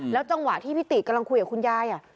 จังหวะที่พี่ติกำลังคุยกับคุณยาย